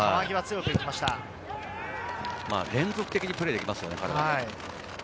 連続的にプレーできますね。